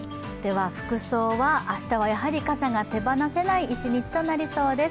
服装は、明日はやはり傘が手放せない一日となりそうです。